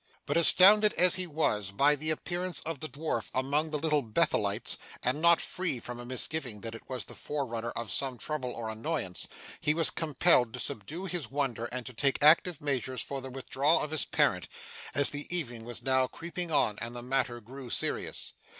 But, astounded as he was by the apparition of the dwarf among the Little Bethelites, and not free from a misgiving that it was the forerunner of some trouble or annoyance, he was compelled to subdue his wonder and to take active measures for the withdrawal of his parent, as the evening was now creeping on, and the matter grew serious.